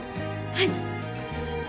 はい！